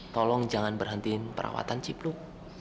tolong jangan berhentiin perawatan cipluk